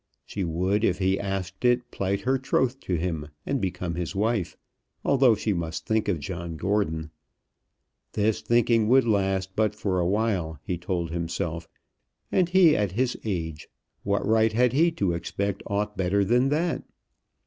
She would, if he asked it, plight her troth to him and become his wife, although she must think of John Gordon. This thinking would last but for a while, he told himself; and he at his age what right had he to expect aught better than that?